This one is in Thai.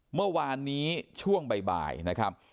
เมื่อวานนี้ช่วงบ่ายนะครับ